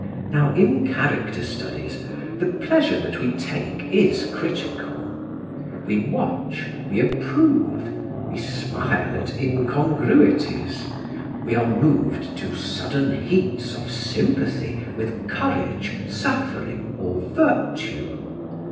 Now in character studies the pleasure that we take is critical; we watch, we approve, we smile at incongruities, we are moved to sudden heats of sympathy with courage, suffering or virtue.